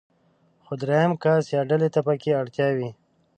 خو درېم کس يا ډلې ته پکې اړتيا وي.